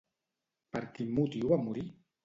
Per quin motiu va morir?